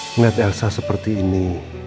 melihat elsa seperti ini